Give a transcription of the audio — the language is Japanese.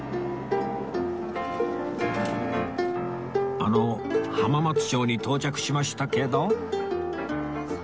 あの浜松町に到着しましたけど